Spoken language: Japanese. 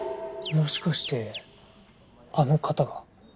もしかしてあの方が？